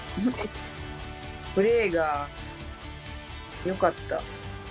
プレーがよかった。